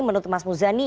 menurut mas muzani